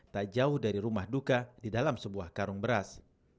tak jauh dari rumah duka di dalam sebuah karung beras